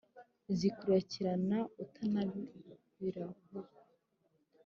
zikuzirikana utanabirabukwa